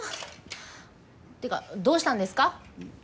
てかどうしたんですか？